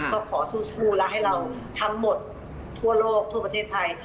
ก็ขอสู้และให้เราทำหมดทั่วโลกทั่วประเทศไทย